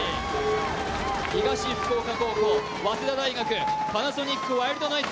東福岡高校、早稲田大学、パナソニックワイルドナイツ、